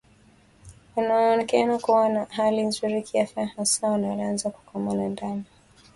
wanaoonekana kuwa na hali nzuri kiafya hasa walioanza kukomaa na ndama wanaoanza kula nyasi